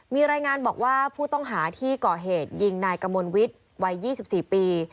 มีรายงานบอกว่าผู้ต้องหาที่ก่อเหตุยิงนายกมลวิทย์วัย๒๔ปี